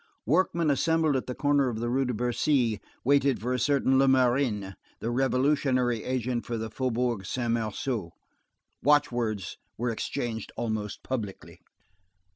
_ Workmen assembled at the corner of the Rue de Bercy, waited for a certain Lemarin, the revolutionary agent for the Faubourg Saint Marceau. Watchwords were exchanged almost publicly.